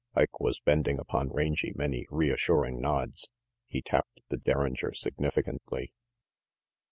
Ike was bending upon Rangy many reassuring nods, he tapped the derringer significantly.